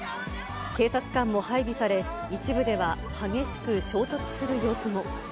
警察官も配備され、一部では激しく衝突する様子も。